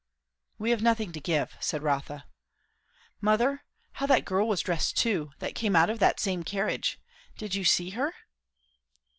"We have nothing to give," said Rotha. "Mother, how that girl was dressed too, that came out of that same carriage. Did you see her?"